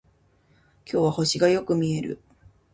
今日は星がよく見える